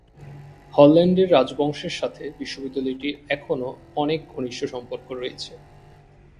হল্যান্ডের রাজবংশের সাথে বিশ্ববিদ্যালয়টির এখনো অনেক ঘনিষ্ঠ সম্পর্ক রয়েছে।